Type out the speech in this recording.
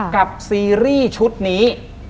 ซีรีส์ชุดนี้